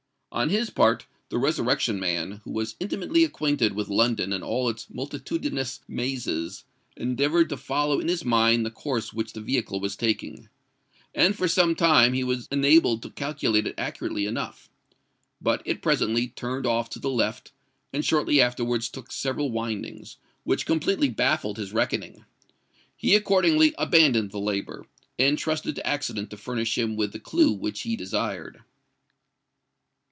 On his part the Resurrection Man, who was intimately acquainted with London and all its multitudinous mazes, endeavoured to follow in his mind the course which the vehicle was taking; and for some time he was enabled to calculate it accurately enough. But it presently turned off to the left, and shortly afterwards took several windings, which completely baffled his reckoning. He accordingly abandoned the labour, and trusted to accident to furnish him with the clue which he desired.